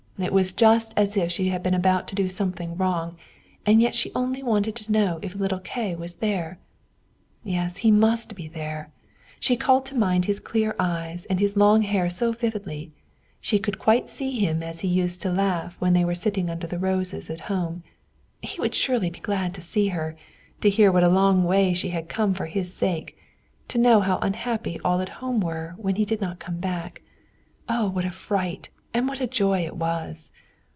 It was just as if she had been about to do something wrong; and yet she only wanted to know if little Kay was there. Yes, he must be there. She called to mind his clear eyes and his long hair so vividly, she could quite see him as he used to laugh when they were sitting under the roses at home. He would surely be glad to see her to hear what a long way she had come for his sake; to know how unhappy all at home were when he did not come back. Oh, what a fright and what a joy it was!